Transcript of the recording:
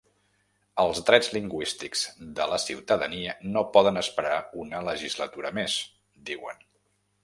“Els drets lingüístics de la ciutadania no poden esperar una legislatura més”, diuen.